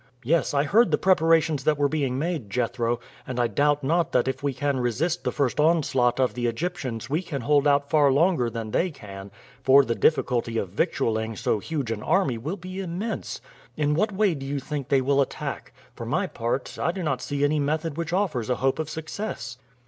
"Yes, I heard the preparations that were being made, Jethro, and doubt not that if we can resist the first onslaught of the Egyptians we can hold out far longer than they can, for the difficulty of victualing so huge an army will be immense. In what way do you think they will attack? For my part I do not see any method which offers a hope of success."